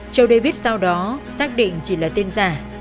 châu david sau đó xác định chỉ là tên giả